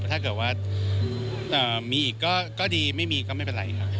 ถ้าเกิดว่ามีอีกก็ดีไม่มีก็ไม่เป็นไรค่ะ